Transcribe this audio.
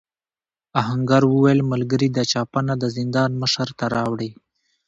آهنګر وویل ملګري دا چپنه د زندان مشر ته راوړې.